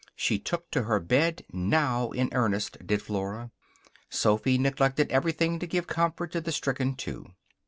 She took to her bed now in earnest, did Flora. Sophy neglected everything to give comfort to the stricken two.